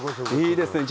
いいですね。